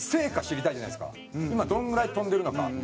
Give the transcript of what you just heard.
今どのぐらい跳んでるのか。